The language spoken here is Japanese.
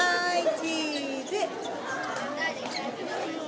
チーズ。